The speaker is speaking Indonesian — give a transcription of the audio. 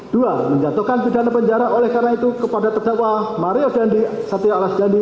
dua menjatuhkan pidana penjara oleh karena itu kepada terdakwa mario dandi satrio alas jandi